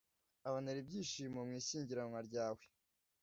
aBonera ibyishimo mu ishyingiranwa ryawe